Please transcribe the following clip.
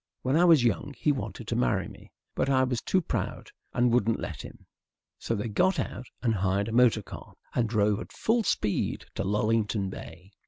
When I was young he wanted to marry me. But I was too proud and wouldn't let him." So they got out and hired a motor car, and drove at full speed to Lullington Bay.